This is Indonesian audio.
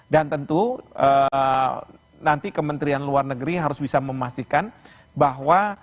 dan tentu nanti kementerian luar negeri harus bisa memastikan bahwa